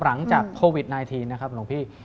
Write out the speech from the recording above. หลังจากโควิด๑๙นะครับหลวงพี่